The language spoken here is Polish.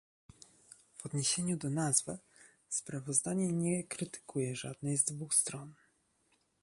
W odniesieniu do nazwy, sprawozdanie nie krytykuje żadnej z dwu stron